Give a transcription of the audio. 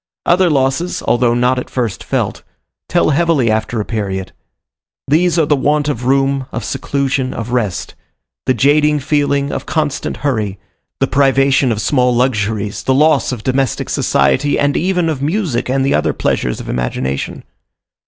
Other losses, although not at first felt, tell heavily after a period: these are the want of room, of seclusion, of rest; the jading feeling of constant hurry; the privation of small luxuries, the loss of domestic society and even of music and the other pleasures of imagination.